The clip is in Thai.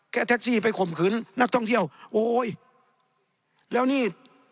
แท็กซี่ไปข่มขืนนักท่องเที่ยวโอ้ยแล้วนี่